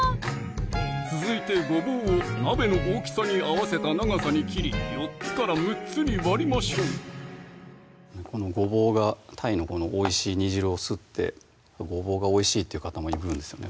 続いてごぼうを鍋の大きさに合わせた長さに切り４つから６つに割りましょうこのごぼうがたいのこのおいしい煮汁を吸ってごぼうがおいしいって方もいるんですよね